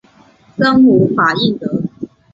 生母法印德大寺公审之女荣子。